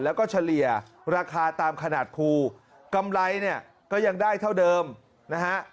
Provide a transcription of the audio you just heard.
แล้วก็เฉลี่ยราคาตามขนาดภูกำไรเนี่ยก็ยังได้เท่าเดิมนะฮะ